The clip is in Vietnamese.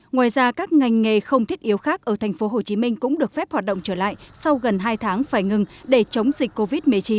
ngoài ra các ngành nghề không thiết yếu khác ở tp hcm cũng được phép hoạt động trở lại sau gần hai tháng phải ngừng để chống dịch covid một mươi chín